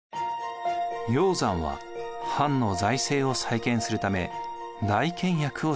鷹山は藩の財政を再建するため大倹約を誓います。